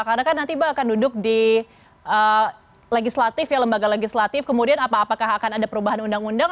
karena kan nanti mbak akan duduk di legislatif lembaga legislatif kemudian apakah akan ada perubahan undang undang